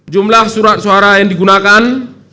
jumlah surat suara yang digunakan